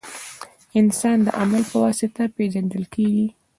• انسان د عمل په واسطه پېژندل کېږي.